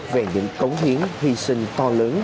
về những cống hiến hy sinh to lớn